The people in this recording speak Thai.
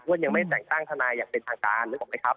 อ้วนยังไม่แต่งตั้งทนายอย่างเป็นทางการรู้หรือเปล่าไหมครับ